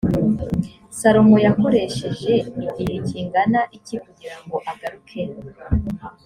salomo yakoresheje igihe kingana iki kugira ngo agaruke‽